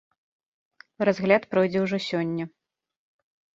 Разгляд пройдзе ўжо сёння.